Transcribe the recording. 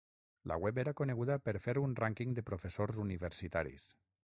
La web era coneguda per fer un Rànquing de professors universitaris.